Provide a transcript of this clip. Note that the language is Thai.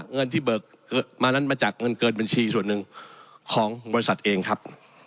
เงินที่เบิกมานั้นมาจากเงินเกินบัญชีส่วนหนึ่งของบริษัทเองครับ